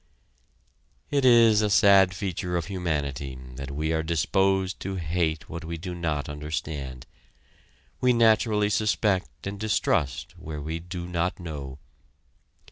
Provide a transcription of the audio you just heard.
It is a sad feature of humanity that we are disposed to hate what we do not understand; we naturally suspect and distrust where we do not know.